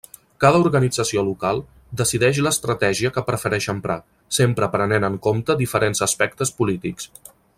Cada organització local decideix l'estratègia que prefereix emprar, sempre prenent en compte diferents aspectes polítics.